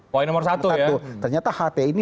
poin nomor satu ya ternyata hti ini